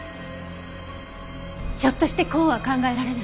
ひょっとしてこうは考えられない？